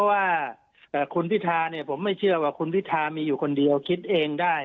ว่าคุณพิธาเนี่ยผมไม่เชื่อว่าคุณพิทามีอยู่คนเดียวคิดเองได้